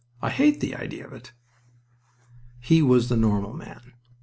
I hate the idea of it!" He was the normal man.